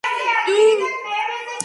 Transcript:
ფლობდა საბრძოლო ხელოვნებას.